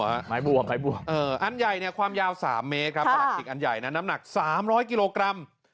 เอออันใหญ่ความยาว๓เมตรครับอันใหญ่น้ำหนัก๓๐๐กิโลครับ